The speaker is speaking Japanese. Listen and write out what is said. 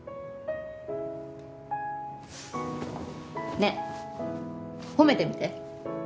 ねえ褒めてみて。